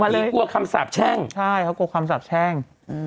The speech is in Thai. เลยกลัวคำสาบแช่งใช่เขากลัวคำสาบแช่ง